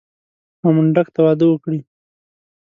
او منډک ته واده وکړي.